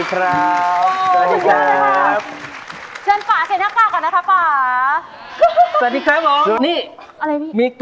กลัวจะอายเด็กใช่มะ